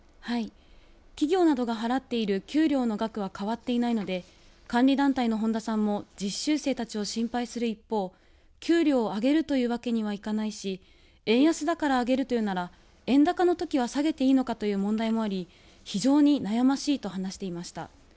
企業などが払っている給料の額は変わっていないので、監理団体の本田さんも実習生たちを心配する一方、給料を上げるというわけにはいかないし、円安だから上げるというなら円高のときは下げてもいいのかという問題もあり、非常に悩ましいと話していました。